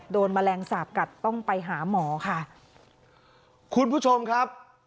โดนแมลงสาปกัดต้องไปหาหมอค่ะ